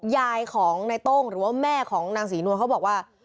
ยายของในโต้งหรือว่าแม่ของนางศรีนวลเขาบอกว่า